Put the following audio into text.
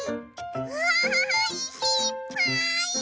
うわいしいっぱい！